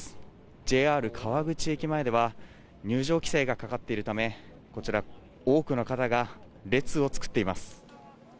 ＪＲ川口駅前では、入場規制がかかっているため、こちら、多くの方が列を作っています。